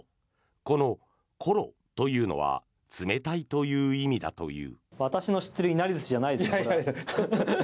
この「ころ」というのは冷たいという意味だという。